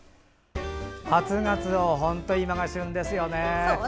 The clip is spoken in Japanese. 初ガツオ本当、今が旬ですよね。